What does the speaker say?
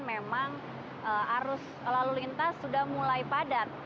memang arus lalu lintas sudah mulai padat